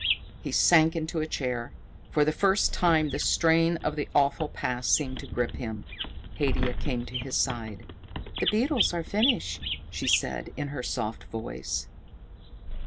He sank into a chair. For the first time the strain of the awful past seemed to grip him. Haidia came to his side. "The beetles are finish," she said in her soft voice.